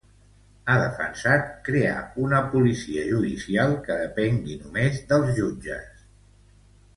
Ha defensat crear una policia judicial que depenga només dels jutges.